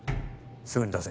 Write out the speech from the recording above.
すぐに出せ